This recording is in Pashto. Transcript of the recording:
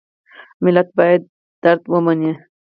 ملت باید خپل درد ومني.